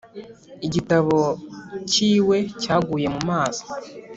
igitabo cyiwe cyaguye mu mazi